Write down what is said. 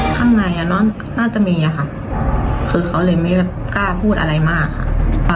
ข้างในน่าจะมีอะค่ะคือเขาเลยไม่กล้าพูดอะไรมากค่ะ